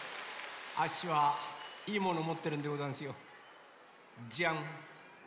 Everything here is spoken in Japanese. あっしはいいものもってるんでござんすよ。じゃん！